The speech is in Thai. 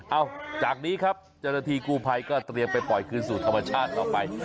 จากนี้ครับเจ้าหน้าที่กู้ภัยก็เตรียมไปปล่อยคืนสู่ธรรมชาติต่อไป